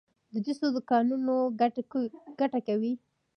د جوسو دکانونه ګټه کوي؟